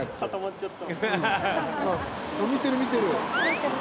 あっ見てる見てる。